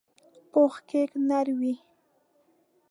پوخ کیک نر وي